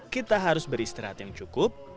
kita harus beristirahat yang cukup